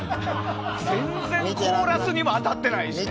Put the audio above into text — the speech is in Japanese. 全然コーラスにも当たってないし。